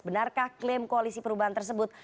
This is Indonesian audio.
benarkah klaim koalisi perubahan tersebut